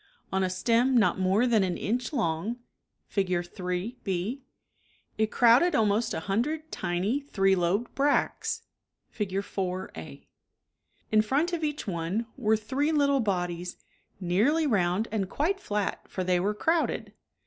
On a stem not more than an inch long, (Fig. 3, 6) it crowded al most a hundred tiny three lobed bracts {Fig. 4, a) In front of each one were three little bodies, nearly round and quite flat for they were crowded.